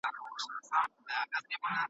کومه ځایه منشا اخلي او څرنګه یې تحول کړی دی؟